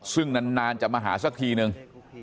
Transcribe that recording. ซึ่งนานจะมาหาสักทีนึง